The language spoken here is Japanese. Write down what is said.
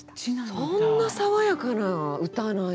そんな爽やかな歌なんや。